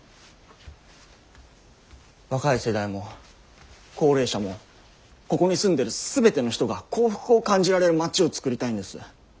若い世代も高齢者もここに住んでる全ての人が幸福を感じられる街を作りたいんです。